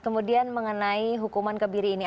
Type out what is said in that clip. kemudian mengenai hukuman kebiri ini